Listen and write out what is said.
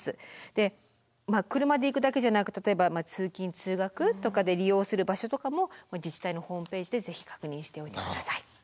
で車で行くだけじゃなく例えば通勤・通学とかで利用する場所とかも自治体のホームページでぜひ確認しておいて下さい。